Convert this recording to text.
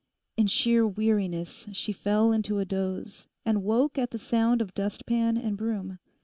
In sheer weariness she fell into a doze, and woke at the sound of dustpan and broom.